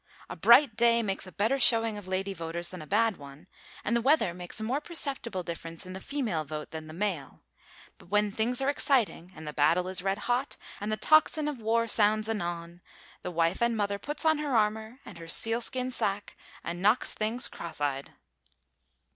A bright day makes a better showing of lady voters than a bad one, and the weather makes a more perceptible difference in the female vote than the male, but when things are exciting and the battle is red hot, and the tocsin of war sounds anon, the wife and mother puts on her armor and her sealskin sacque and knocks things cross eyed.